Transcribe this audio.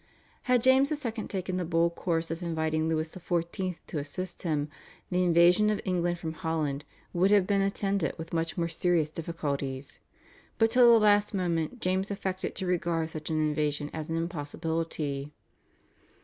Had James II. taken the bold course of inviting Louis XIV. to assist him, the invasion of England from Holland would have been attended with much more serious difficulties, but till the last moment James affected to regard such an invasion as an impossibility.